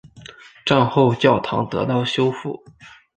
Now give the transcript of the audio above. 战后教堂得到修复。